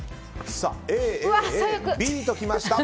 Ａ、Ａ、Ａ、Ｂときました。